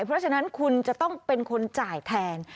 เพราะฉะนั้นคุณจะต้องเป็นคนจ่ายแทน